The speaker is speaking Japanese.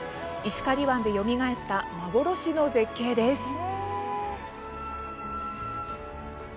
石狩湾でよみがえった幻の絶景です。